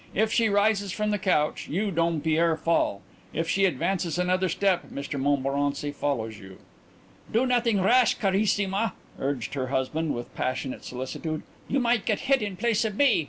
If she rises from the couch you, Dompierre, fall. If she advances another step Mr Montmorency follows you." "Do nothing rash, carissima," urged her husband, with passionate solicitude. "You might get hit in place of me.